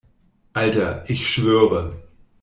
Alter, ich schwöre!